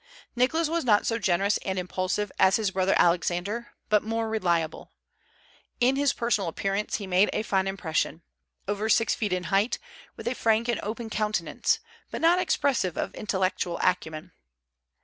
Nicholas was not so generous and impulsive as his brother Alexander, but more reliable. In his personal appearance he made a fine impression, over six feet in height, with a frank and open countenance, but not expressive of intellectual acumen.